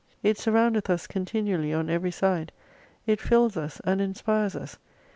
It surroundeth us continually on every side, it fills us, and inspires us.